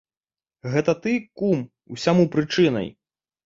Гэта ты, кум, усяму прычынай!